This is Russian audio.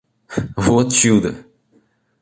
Вот чудо!